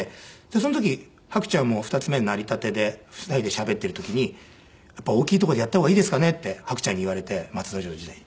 その時伯ちゃんも二ツ目になりたてで２人でしゃべっている時に「やっぱり大きい所でやった方がいいですかね？」って伯ちゃんに言われて松之丞時代に。